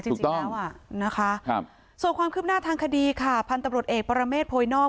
จริงแล้วอ่ะนะคะส่วนความคืบหน้าทางคดีค่ะพันธุ์ตำรวจเอกปรเมฆโพยนอก